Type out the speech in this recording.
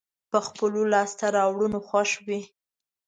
په خپلو لاسته راوړنو خوښ وي.